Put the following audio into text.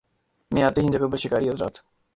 میں آتے ہیں ان جگہوں پر شکاری حضرات